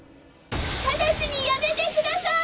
直ちにやめてください！